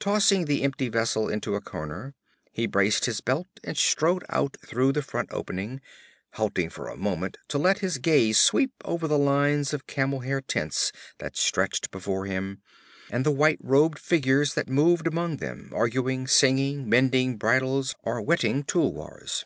Tossing the empty vessel into a corner, he braced his belt and strode out through the front opening, halting for a moment to let his gaze sweep over the lines of camel hair tents that stretched before him, and the white robed figures that moved among them, arguing, singing, mending bridles or whetting tulwars.